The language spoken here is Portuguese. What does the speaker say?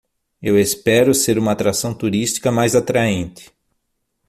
Eu espero ser uma atração turística mais atraente